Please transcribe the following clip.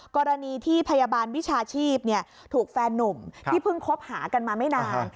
กรณีที่พยาบาลวิชาชีพถูกแฟนนุ่มที่เพิ่งคบหากันมาไม่นาน